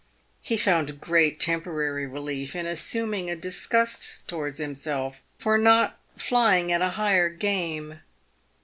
He found great temporary relief in assuming a disgust towards himself for not " flying at higher game."